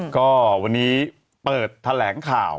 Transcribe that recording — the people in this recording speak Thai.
ก็วันนี้เปิดแถลงข่าว